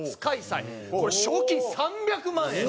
これ賞金３００万円。